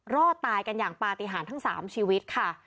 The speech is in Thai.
รอดตายกันอย่างปฏิหารทั้ง๓ชีวิตค่ะ